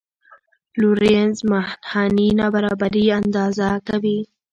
لورینز منحني نابرابري اندازه کوي.